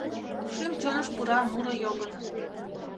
Шӱм-чоныш пура муро йогын.